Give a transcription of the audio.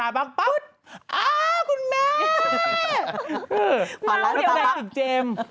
เราก็หลับอีกเจมส์